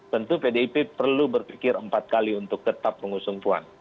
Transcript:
tentu pdip perlu berpikir empat kali untuk tetap mengusung puan